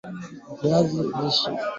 Viazi lishe ni moja ya mazao ya mizizi